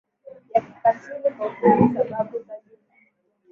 ya kikatili Kwa ufupi sababu za jumla